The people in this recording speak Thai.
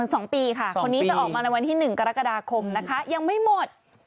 สองปีค่ะคนนี้จะออกมาในวันที่๑กรกฎาคมนะคะยังไม่หมด